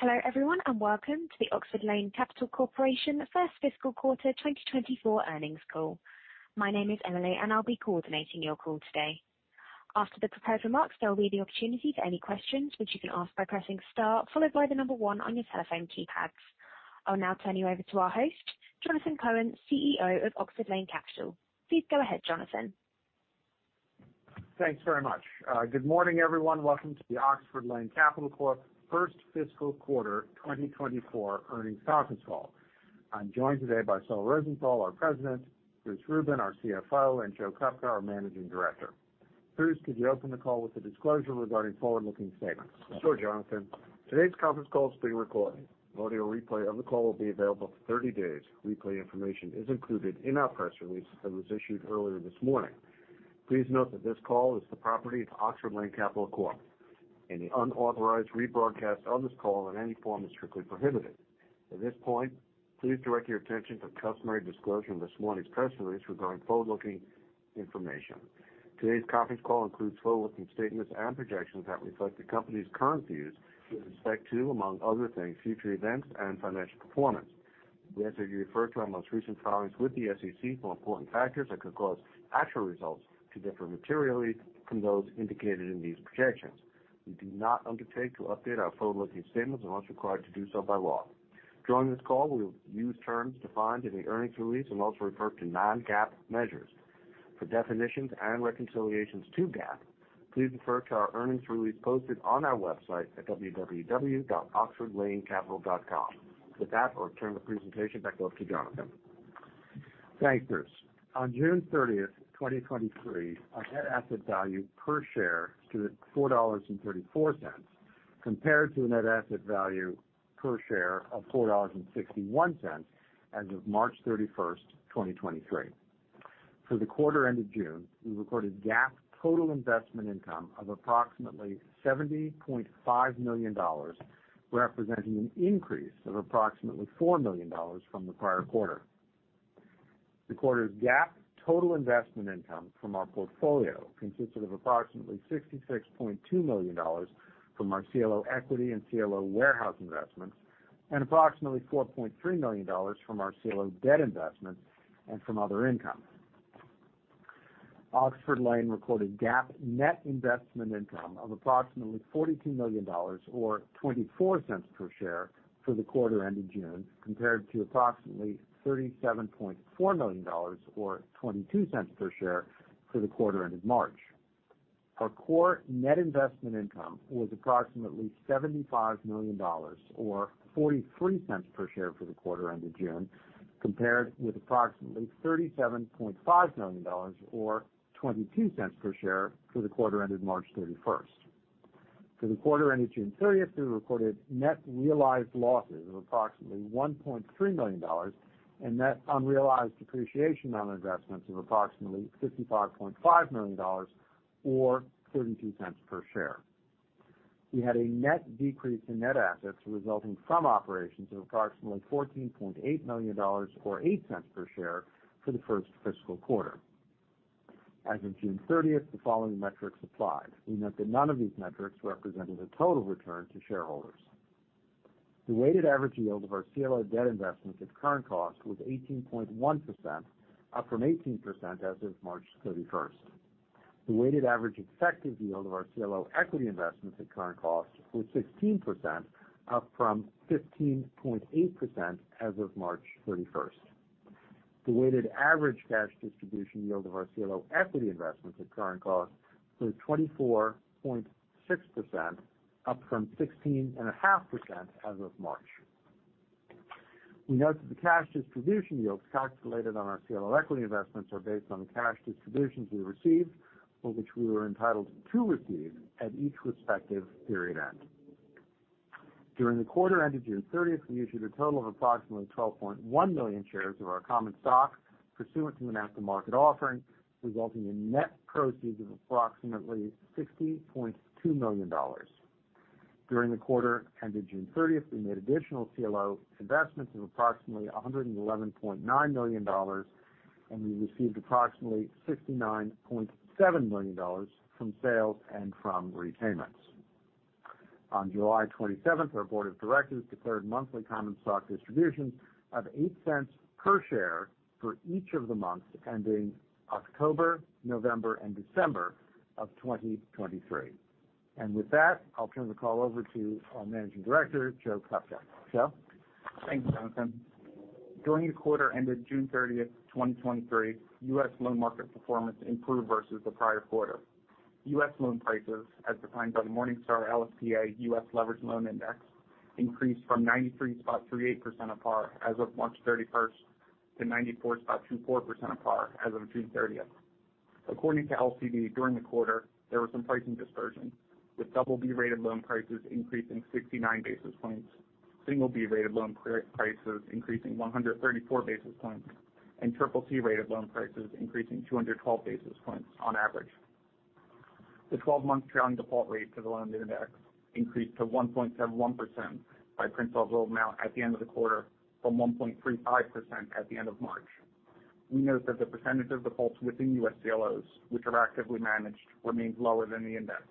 Hello, everyone, and welcome to the Oxford Lane Capital Corporation First Fiscal Quarter 2024 earnings call. My name is Emily, and I'll be coordinating your call today. After the prepared remarks, there will be the opportunity for any questions, which you can ask by pressing Star, followed by one on your telephone keypads. I'll now turn you over to our host, Jonathan Cohen, CEO of Oxford Lane Capital. Please go ahead, Jonathan. Thanks very much. Good morning, everyone. Welcome to the Oxford Lane Capital Corp First Fiscal Quarter 2024 earnings conference call. I'm joined today by Saul Rosenthal, our President, Bruce Rubin, our CFO, and Joe Kupka, our Managing Director. Bruce, could you open the call with a disclosure regarding forward-looking statements? Sure, Jonathan. Today's conference call is being recorded. Audio replay of the call will be available for 30 days. Replay information is included in our press release that was issued earlier this morning. Please note that this call is the property of Oxford Lane Capital Corp. Any unauthorized rebroadcast of this call in any form is strictly prohibited. At this point, please direct your attention to the customary disclosure in this morning's press release regarding forward-looking information. Today's conference call includes forward-looking statements and projections that reflect the company's current views with respect to, among other things, future events and financial performance. We answer you referred to our most recent filings with the SEC for important factors that could cause actual results to differ materially from those indicated in these projections. We do not undertake to update our forward-looking statements unless required to do so by law. During this call, we'll use terms defined in the earnings release and also refer to non-GAAP measures. For definitions and reconciliations to GAAP, please refer to our earnings release posted on our website at www.oxfordlanecapital.com. With that, I'll turn the presentation back over to Jonathan. Thanks, Bruce. On June thirtieth, 2023, our net asset value per share stood at $4.34, compared to a net asset value per share of $4.61 as of March thirty-first, 2023. For the quarter end of June, we recorded GAAP total investment income of approximately $70.5 million, representing an increase of approximately $4 million from the prior quarter. The quarter's GAAP total investment income from our portfolio consisted of approximately $66.2 million from our CLO equity and CLO warehouse investments and approximately $4.3 million from our CLO debt investments and from other income. Oxford Lane recorded GAAP net investment income of approximately $42 million, or $0.24 per share for the quarter end of June, compared to approximately $37.4 million, or $0.22 per share for the quarter end of March. Our Core Net Investment Income was approximately $75 million, or $0.43 per share for the quarter end of June, compared with approximately $37.5 million, or $0.22 per share for the quarter ended March 31st. For the quarter ended June 30th, we recorded net realized losses of approximately $1.3 million and net unrealized appreciation on investments of approximately $55.5 million, or $0.13 per share. We had a net decrease in net assets resulting from operations of approximately $14.8 million, or $0.08 per share for the first fiscal quarter. As of June 30th, the following metrics applied. We note that none of these metrics represented a total return to shareholders. The weighted average yield of our CLO debt investments at current cost was 18.1%, up from 18% as of March 31st. The weighted average effective yield of our CLO equity investments at current cost was 16%, up from 15.8% as of March 31st. The weighted average cash distribution yield of our CLO equity investments at current cost was 24.6%, up from 16.5% as of March. We note that the cash distribution yields calculated on our CLO equity investments are based on cash distributions we received, or which we were entitled to receive at each respective period end. During the quarter ended June 30th, we issued a total of approximately 12.1 million shares of our common stock pursuant to an at-the-market offering, resulting in net proceeds of approximately $60.2 million. During the quarter ended June 30th, we made additional CLO investments of approximately $111.9 million, and we received approximately $69.7 million from sales and from repayments. On July 27th, our board of directors declared monthly common stock distributions of $0.08 per share for each of the months ending October, November, and December of 2023. With that, I'll turn the call over to our managing director, Joe Kupka. Joe? Thanks, Jonathan. During the quarter ended June thirtieth, 2023, U.S. loan market performance improved versus the prior quarter. U.S. loan prices, as defined by the Morningstar LSTA US Leveraged Loan Index, increased from 93.38% apart as of March thirty-first to 94.24% apart as of June thirtieth. According to LCD, during the quarter, there was some pricing dispersion, with BB-rated loan prices increasing 69 basis points, B-rated loan prices increasing 134 basis points, and CCC-rated loan prices increasing 212 basis points on average. The 12-month trailing default rate for the loan index increased to 1.71% by principal amount at the end of the quarter from 1.35% at the end of March. we note that the percentage of the pools within US CLOs, which are actively managed, remains lower than the index.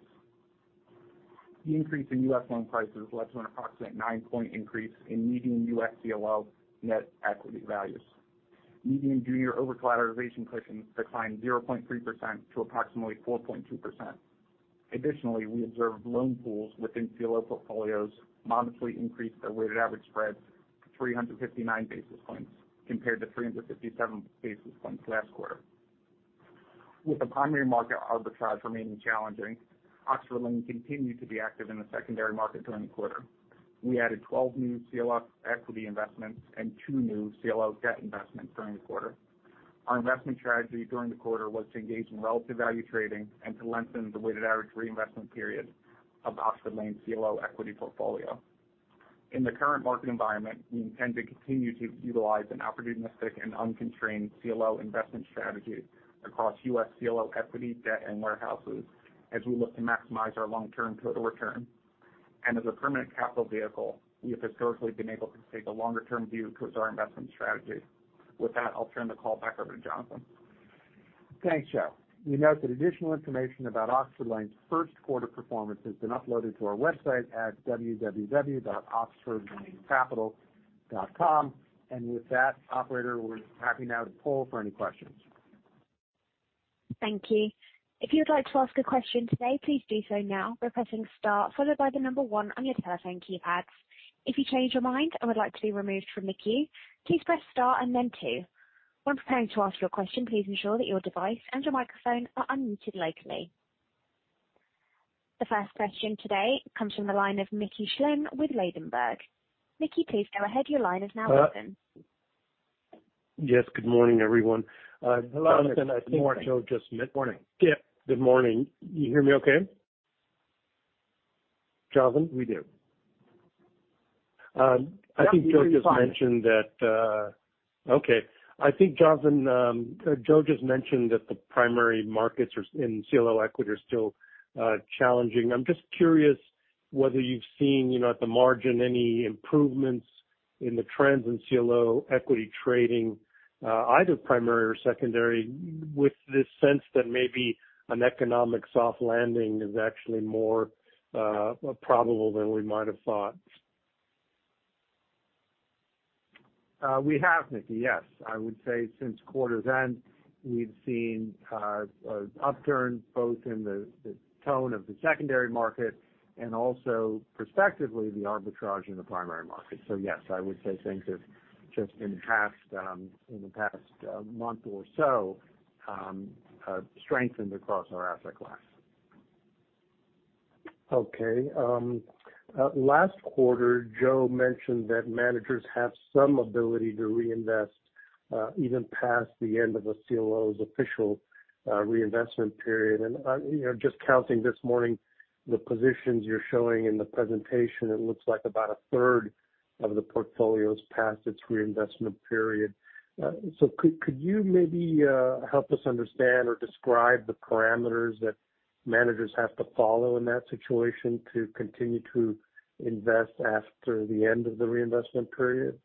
The increase in US loan prices led to an approximate 9-point increase in median US CLO net equity values. Median junior overcollateralization cushions declined 0.3% to approximately 4.2%. Additionally, we observed loan pools within CLO portfolios modestly increased their weighted average spreads to 359 basis points, compared to 357 basis points last quarter. With the primary market arbitrage remaining challenging, Oxford Lane continued to be active in the secondary market during the quarter. We added 12 new CLO equity investments and 2 new CLO debt investments during the quarter. Our investment strategy during the quarter was to engage in relative value trading and to lengthen the weighted average reinvestment period of Oxford Lane CLO equity portfolio. In the current market environment, we intend to continue to utilize an opportunistic and unconstrained CLO investment strategy across US CLO equity, debt and warehouses as we look to maximize our long-term total return. As a permanent capital vehicle, we have historically been able to take a longer term view towards our investment strategy. With that, I'll turn the call back over to Jonathan. Thanks, Joe. We note that additional information about Oxford Lane's Q1 performance has been uploaded to our website at www.oxfordlanecapital.com. With that, operator, we're happy now to poll for any questions. Thank you. If you'd like to ask a question today, please do so now by pressing Star, followed by the one on your telephone keypads. If you change your mind and would like to be removed from the queue, please press Star and then 2. When preparing to ask your question, please ensure that your device and your microphone are unmuted locally. The first question today comes from the line of Mickey Schleien with Ladenburg. Mickey, please go ahead. Your line is now open. Yes, good morning, everyone. Jonathan, I think Joe just- Good morning. Yeah, good morning. You hear me okay? Jonathan? We do. Okay, I think, Jonathan, Joe just mentioned that the primary markets are, in CLO equity are still challenging. I'm just curious whether you've seen, you know, at the margin, any improvements in the trends in CLO equity trading, either primary or secondary, with this sense that maybe an economic soft landing is actually more probable than we might have thought? We have, Mickey. Yes, I would say since quarter's end, we've seen an upturn both in the, the tone of the secondary market and also perspectively, the arbitrage in the primary market. Yes, I would say things have just in the past, in the past month or so, strengthened across our asset class. Okay, last quarter, Joe mentioned that managers have some ability to reinvest, even past the end of a CLO's official reinvestment period. You know, just counting this morning, the positions you're showing in the presentation, it looks like about a third of the portfolio's past its reinvestment period. So could, could you maybe help us understand or describe the parameters that managers have to follow in that situation to continue to invest after the end of the reinvestment period?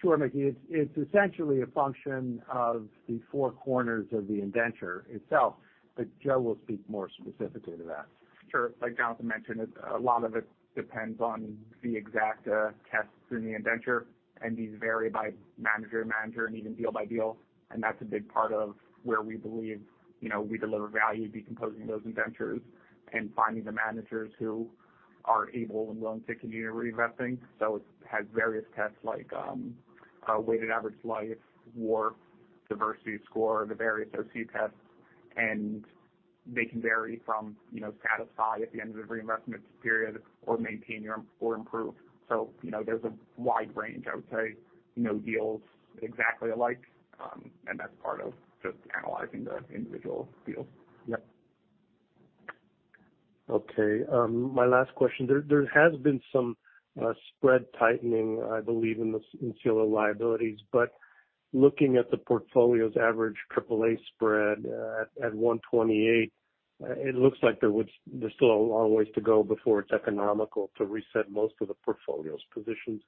Sure, Mickey. It's, it's essentially a function of the four corners of the indenture itself, but Joe will speak more specifically to that. Sure. Like Jonathan mentioned, a lot of it depends on the exact test in the indenture, and these vary by manager to manager and even deal by deal. That's a big part of where we believe, you know, we deliver value, decomposing those indentures, and finding the managers who are able and willing to continue reinvesting. It has various tests like weighted average life or diversity score, the various OC tests, and they can vary from, you know, satisfy at the end of the reinvestment period or maintain your, or improve. You know, there's a wide range, I would say. No deal is exactly alike, and that's part of just analyzing the individual deals. Yep. Okay, my last question. There, there has been some spread tightening, I believe, in the, in CLO liabilities. Looking at the portfolio's average AAA spread at 128, it looks like there was, there's still a long ways to go before it's economical to reset most of the portfolio's positions.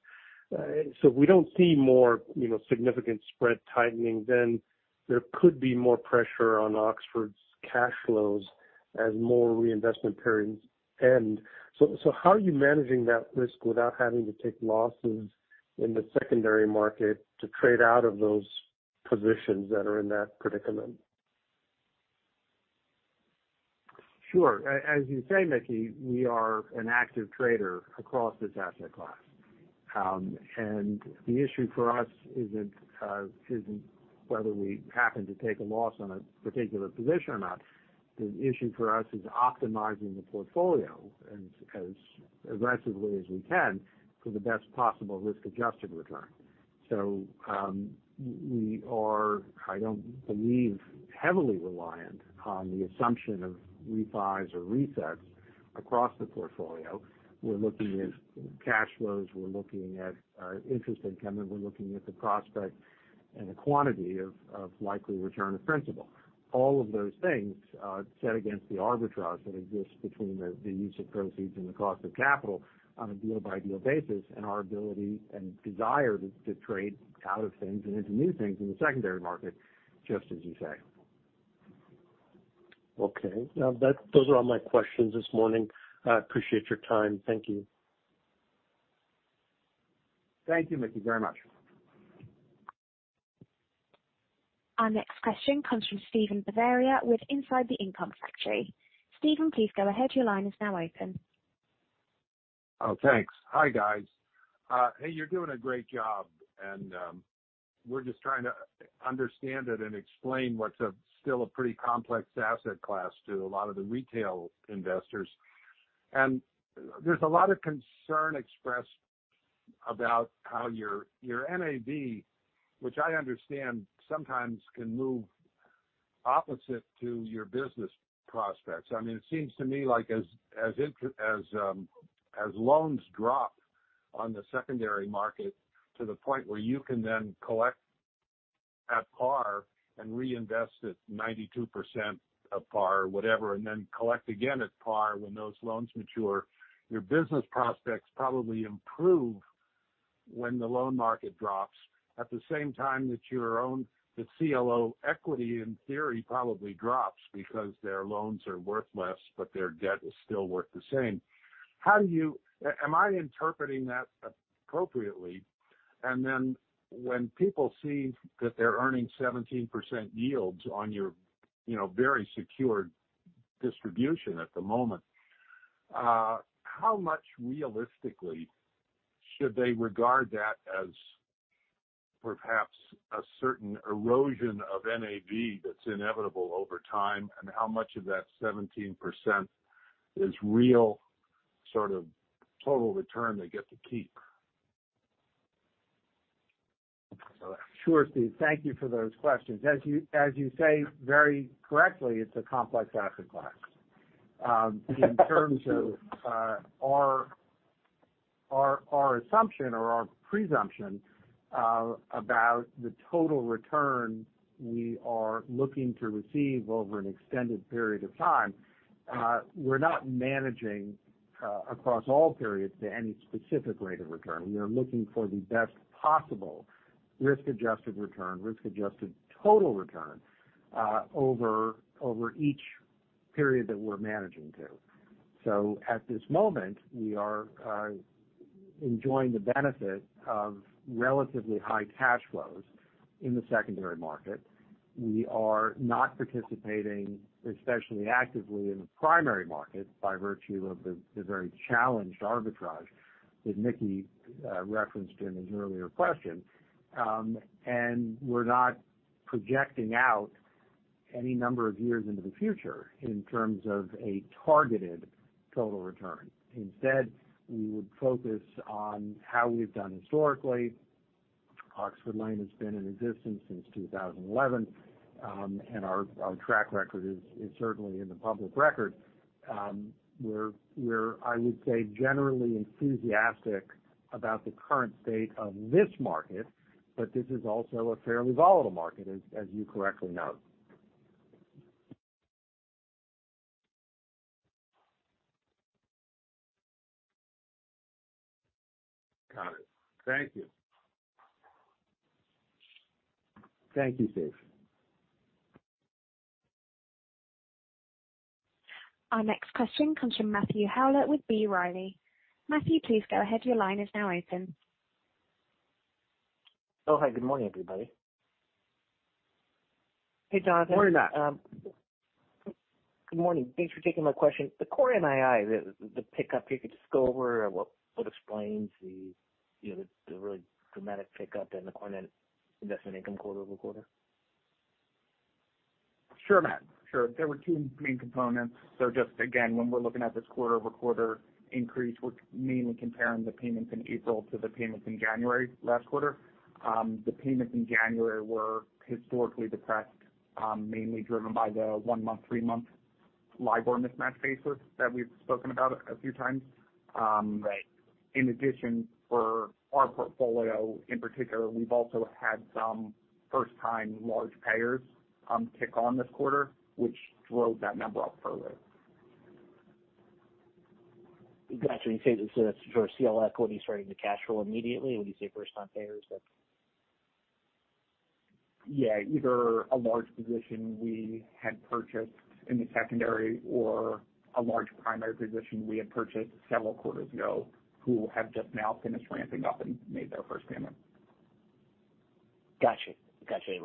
We don't see more, you know, significant spread tightening, then there could be more pressure on Oxford's cash flows as more reinvestment periods end. How are you managing that risk without having to take losses in the secondary market to trade out of those positions that are in that predicament? Sure. As you say, Mickey, we are an active trader across this asset class. The issue for us isn't, isn't whether we happen to take a loss on a particular position or not. The issue for us is optimizing the portfolio as, as aggressively as we can for the best possible risk-adjusted return. We are, I don't believe, heavily reliant on the assumption of refis or resets across the portfolio. We're looking at cash flows, we're looking at interest income, and we're looking at the quantity of, of likely return of principal. All of those things set against the arbitrage that exists between the, the use of proceeds and the cost of capital on a deal-by-deal basis, and our ability and desire to, to trade out of things and into new things in the secondary market, just as you say. Okay. Now, those are all my questions this morning. I appreciate your time. Thank you. Thank you, Mickey, very much. Our next question comes from Steven Bavaria with Inside the Income Factory. Steven, please go ahead. Your line is now open. Oh, thanks. Hi, guys. Hey, you're doing a great job, and we're just trying to understand it and explain what's a still a pretty complex asset class to a lot of the retail investors. There's a lot of concern expressed about how your, your NAV, which I understand sometimes can move opposite to your business prospects. I mean, it seems to me like as, as loans drop on the secondary market to the point where you can then collect at par and reinvest at 92% of par or whatever, and then collect again at par when those loans mature, your business prospects probably improve when the loan market drops. At the same time that your own, the CLO equity, in theory, probably drops because their loans are worth less, but their debt is still worth the same. How do you... Am I interpreting that appropriately? Then when people see that they're earning 17% yields on your, you know, very secured distribution at the moment, how much realistically should they regard that as perhaps a certain erosion of NAV that's inevitable over time? How much of that 17% is real, sort of, total return they get to keep? Sure, Steve. Thank you for those questions. As you, as you say, very correctly, it's a complex asset class. In terms of our, our, our assumption or our presumption about the total return we are looking to receive over an extended period of time, we're not managing across all periods to any specific rate of return. We are looking for the best possible risk-adjusted return, risk-adjusted total return, over, over each period that we're managing to. At this moment, we are enjoying the benefit of relatively high cash flows in the secondary market. We are not participating, especially actively in the primary market by virtue of the, the very challenged arbitrage that Mickey referenced in his earlier question. We're not projecting out any number of years into the future in terms of a targeted total return. Instead, we would focus on how we've done historically. Oxford Lane has been in existence since 2011. Our, our track record is, is certainly in the public record. We're, we're, I would say, generally enthusiastic about the current state of this market, but this is also a fairly volatile market, as, as you correctly note. Got it. Thank you. Thank you, Steve. Our next question comes from Matthew Howlett with B. Riley. Matthew, please go ahead. Your line is now open. Oh, hi, good morning, everybody. Hey, Jonathan. Morning, Matt. Good morning. Thanks for taking my question. The core NII, the, the pickup, if you could just go over what, what explains the, you know, the, the really dramatic pickup in the Core Net Investment Income quarter-over-quarter? Sure, Matt. Sure. There were two main components. Just again, when we're looking at this quarter-over-quarter increase, we're mainly comparing the payments in April to the payments in January, last quarter. The payments in January were historically depressed, mainly driven by the one-month, three-month LIBOR mismatch basis that we've spoken about a few times. Right. In addition, for our portfolio in particular, we've also had some first-time large payers, kick on this quarter, which drove that number up further. Got you. You say that's your CLO equity starting to cash flow immediately when you say first-time payers, that's. Yeah, either a large position we had purchased in the secondary or a large primary position we had purchased several quarters ago, who have just now finished ramping up and made their first payment. Gotcha. Gotcha.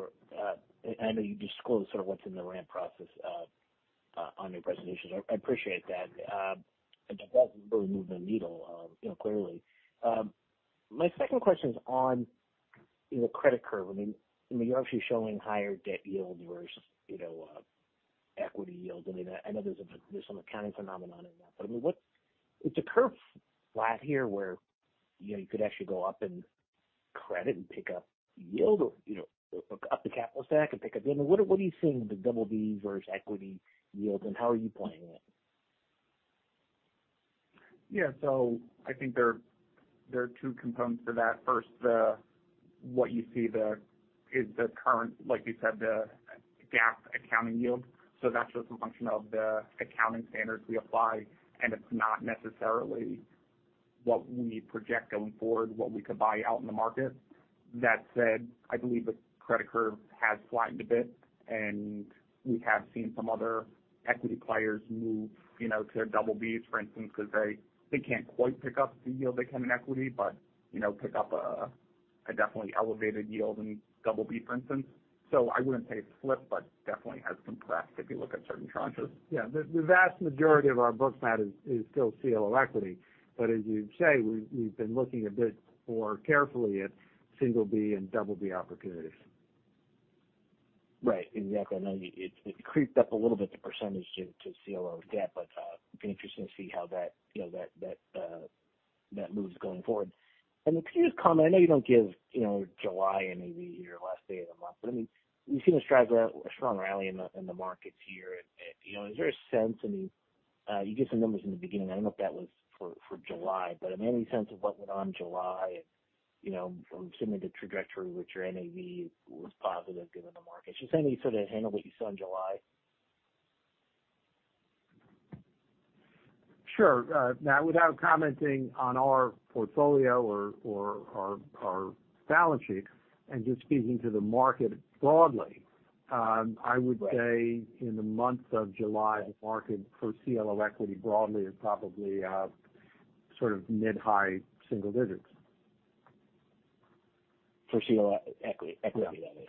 I know you disclosed sort of what's in the ramp process on your presentation. I, I appreciate that. That's really moving the needle, you know, clearly. My second question is on the credit curve. I mean, you're actually showing higher debt yields versus, you know, equity yields. I mean, I know there's a, there's some accounting phenomenon in that, but I mean, what, is the curve flat here where, you know, you could actually go up in credit and pick up yield or, you know, up the capital stack and pick up yield? I mean, what, what are you seeing the double D versus equity yields, and how are you playing it? I think there, there are two components to that. First, the, what you see the, is the current, like you said, the GAAP accounting yield. That's just a function of the accounting standards we apply, and it's not necessarily what we project going forward, what we could buy out in the market. That said, I believe the credit curve has flattened a bit, and we have seen some other equity players move, you know, to BBs, for instance, because they, they can't quite pick up the yield they can in equity, but, you know, pick up a definitely elevated yield in BB, for instance. I wouldn't say it's flipped, but definitely has compressed if you look at certain tranches. Yeah. The, the vast majority of our book mat is, is still CLO equity, but as you say, we've, we've been looking a bit more carefully at B and BB opportunities. Right. Exactly. I know it, it creeped up a little bit, the % to, to CLO debt, but, it'll be interesting to see how that, you know, that, that moves going forward. Can you just comment... I know you don't give, you know, July and maybe your last day of the month, but, I mean, we've seen a strong rally in the, in the markets here. You know, is there a sense, I mean, you gave some numbers in the beginning. I don't know if that was for, for July, but, I mean, any sense of what went on in July and, you know, I'm assuming the trajectory with your NAV was positive given the market. Is there any sort of handle what you saw in July? Sure. Now, without commenting on our portfolio or, or our, our balance sheets and just speaking to the market broadly, I would say in the month of July, the market for CLO equity broadly is probably sort of mid-high single digits. For CLO equity, equity that is.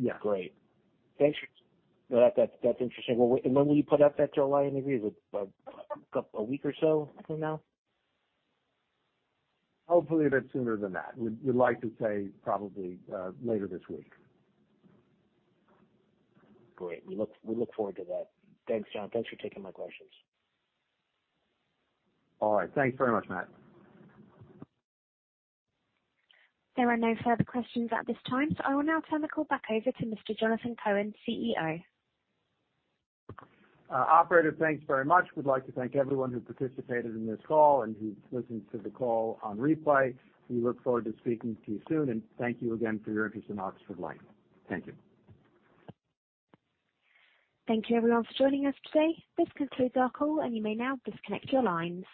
Yeah. Great. Thanks for... That's interesting. Well, when will you put out that July NAV? Is it a week or so from now? Hopefully, a bit sooner than that. We'd, we'd like to say probably, later this week. Great. We look, we look forward to that. Thanks, John. Thanks for taking my questions. All right. Thanks very much, Matt. There are no further questions at this time, so I will now turn the call back over to Mr. Jonathan Cohen, CEO. Operator, thanks very much. We'd like to thank everyone who participated in this call and who listened to the call on replay. We look forward to speaking to you soon, and thank you again for your interest in Oxford Lane. Thank you. Thank you, everyone, for joining us today. This concludes our call, and you may now disconnect your lines.